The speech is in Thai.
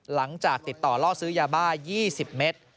หลังจากติดต่อล่อซื้อยาบ้า๒๐เมตร